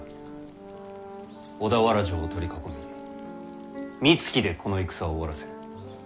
小田原城を取り囲みみつきでこの戦を終わらせる。